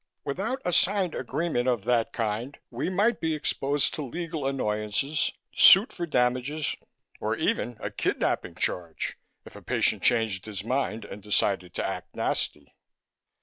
Without a signed agreement of that kind, we might be exposed to legal annoyances, suit for damages or even a kidnapping charge, if a patient changed his mind and decided to act nasty."